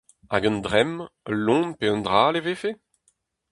Hag un dremm, ul loen pe un dra all e vefe ?